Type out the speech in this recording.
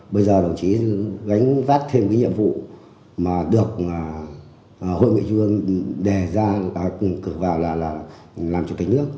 bây giờ đồng chí gánh vác thêm cái nhiệm vụ mà được hội nguyện chủ tịch nước cực vào là làm chủ tịch nước